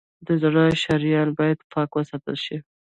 د زړه شریانونه باید پاک وساتل شي.